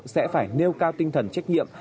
sẽ phải nêu cao tinh thần trách nhiệm